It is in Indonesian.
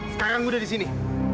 sekarang gue udah disini